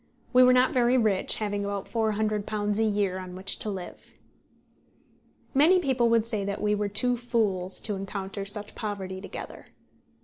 We were not very rich, having about £400 a year on which to live. Many people would say that we were two fools to encounter such poverty together.